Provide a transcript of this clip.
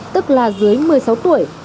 tức là dưới một mươi sáu tuổi